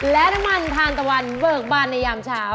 และน้ำมันทานตะวันเบิกบานในยามเช้า